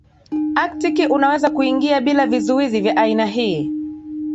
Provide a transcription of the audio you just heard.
Aktiki unaweza kuingia bila vizuizi vya aina hii